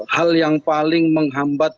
hal yang paling menghambatkan